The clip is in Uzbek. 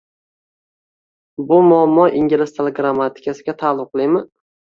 Bu muammo ingliz tili grammatikasiga ta’luqlimi